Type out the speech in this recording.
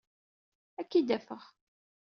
Ad k-id-afeɣ.